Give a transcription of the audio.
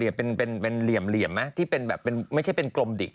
อันนี้พี่มาจาก